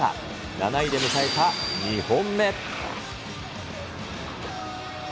７位で迎えた２本目。